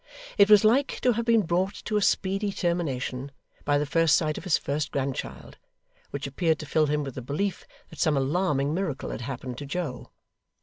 It was like to have been brought to a speedy termination by the first sight of his first grandchild, which appeared to fill him with the belief that some alarming miracle had happened to Joe.